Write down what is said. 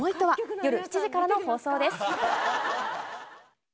夜７時からの放送です。